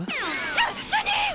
しゅ主任！